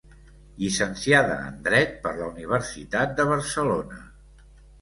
Llicenciada en dret per la Universitat de Barcelona.